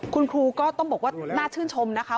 คุณครูก็ต้องบอกว่าน่าชื่นชมนะคะ